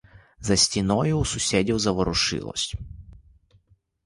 За стіною, у сусідів, заворушилось.